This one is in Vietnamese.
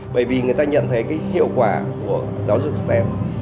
bởi vì người ta nhận thấy cái hiệu quả của giáo dục stem